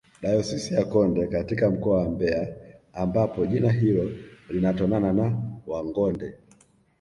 dayosisi ya konde katika mkoa wa mbeya ambapo jina hilo linatonana na wangonde